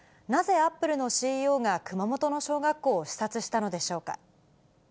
なぜアップルのＣＥＯが熊本の小学校を視察したのでしょうか。